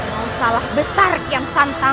kau salah besar kiam santang